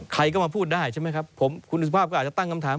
ใครก็มาพูดได้ใช่ไหมครับผมคุณสุภาพก็อาจจะตั้งคำถาม